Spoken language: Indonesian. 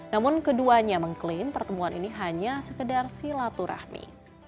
namun keduanya mengklaim pertemuan ini hanya sekedar silaturahmi